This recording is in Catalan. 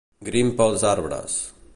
Grimpa els arbres.